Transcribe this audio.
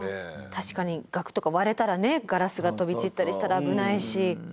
確かに額とか割れたらねガラスが飛び散ったりしたら危ないし。